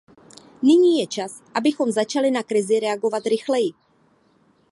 Nyní je čas, abychom začali na krizi reagovat rychleji.